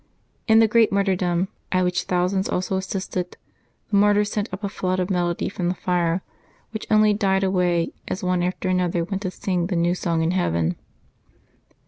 In the great martyrdom, at which thousands also assisted, the martyrs sent up a flood of melody from the fire, which only died away as one after another went to sing the new song in heaven.